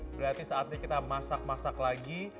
berarti saatnya kita masak masak lagi